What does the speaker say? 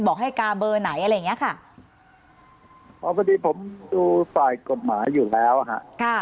บอกให้กาเบอร์ไหนอะไรอย่างเงี้ยค่ะอ๋อพอดีผมดูฝ่ายกฎหมายอยู่แล้วฮะค่ะ